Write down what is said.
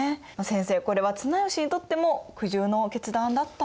先生これは綱吉にとっても苦渋の決断だったんでしょうか？